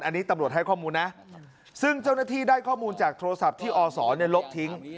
อันนี้ตำรวจให้ข้อมูลนะซึ่งเจ้าหน้าที่ได้ข้อมูลจากโทรศัพท์ที่อศลบทิ้ง